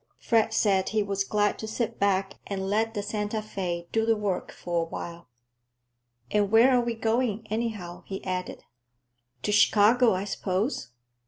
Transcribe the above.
Fred said he was glad to sit back and let the Santa Fé do the work for a while. "And where are we going, anyhow?" he added. "To Chicago, I suppose.